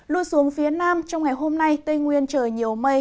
lui xuống phía nam trong ngày hôm nay tây nguyên trời nhiều mây